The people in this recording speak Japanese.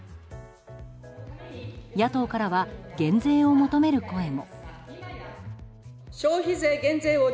野党からは減税を求める声も。